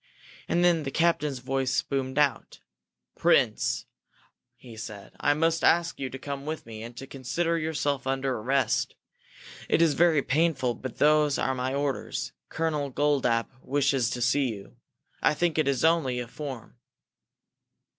And then the captain's voice boomed out. "Prince," he said, "I must ask you to come with me and to consider yourself under arrest. It is very painful but those are my orders. Colonel Goldapp wishes to see you. I think it is only a form."